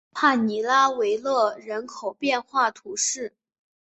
帕尼拉维勒人口变化图示